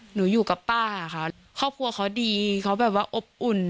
หนูอยู่กับป้าค่ะครอบครัวเขาดีเขาแบบว่าอบอุ่น